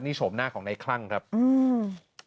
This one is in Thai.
นี่โฉมหน้าของในคลั่งครับอืม